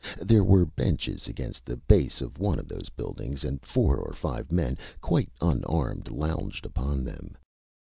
There were benches against the base of one of those buildings, and four or five men, quite unarmed, lounged upon them.